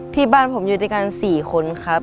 ที่บ้านผมอยู่ด้วยกัน๔คนครับ